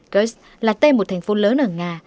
kursk là tên một thành phố lớn ở nga